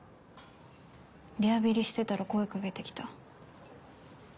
リハビリしてたら声掛けて来た。